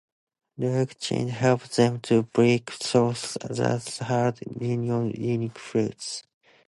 Large canines help them to break through the hard rind of the unripe fruits.